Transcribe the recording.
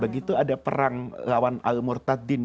yang lawan al murtaddin